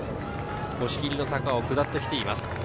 押切の坂を下ってきています。